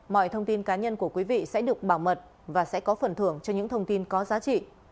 mọi thông tin cá nhân của quý vị sẽ được bảo mật và sẽ có phần thưởng cho những thông tin có giá trị